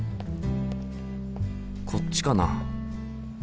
こっちかな？